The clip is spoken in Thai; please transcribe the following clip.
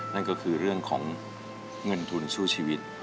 นั่นก็คือเรื่องของเงินทุนสู้ชีวิต